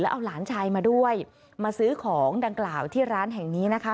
เอาหลานชายมาด้วยมาซื้อของดังกล่าวที่ร้านแห่งนี้นะคะ